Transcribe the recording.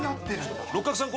六角さん